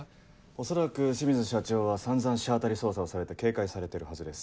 恐らく清水社長は散々車当たり捜査をされて警戒されてるはずです。